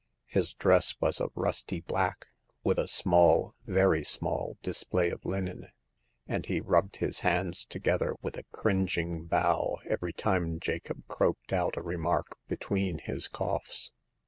His dress was of rusty black, with a small — very small — display of linen ; and he rubbed his hands together with a cringing bow every time Jacob croaked out a remark be tween his coughs.